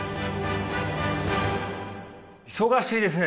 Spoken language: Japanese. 忙しいですね。